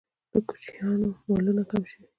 د کوچیانو مالونه کم شوي؟